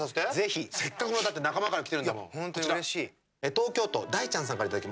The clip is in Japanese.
東京都大ちゃんさんから頂きました。